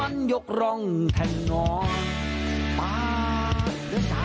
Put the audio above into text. แหล่งละแหล่งละแหล่งละ